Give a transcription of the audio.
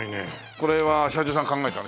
これは社長さん考えたの？